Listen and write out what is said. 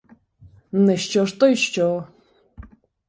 Не що ж то й що!